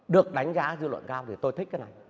được đánh giá dư luận cao thì tôi thích cái này